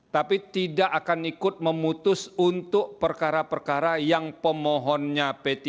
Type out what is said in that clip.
tapi tidak akan ikut memutus untuk perkara perkara yang pemohonnya p tiga